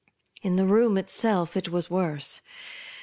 In the room itself it M as worse.